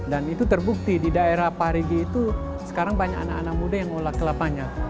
dan itu terbukti di daerah parigi itu sekarang banyak anak anak muda yang olah kelapanya